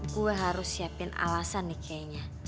gue harus siapin alasan nih kayaknya